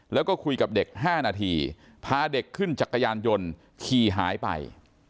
แล้วก็คุยกับเด็ก๕นาทีพาเด็กขึ้นจักรยานยนต์ขี่หายไป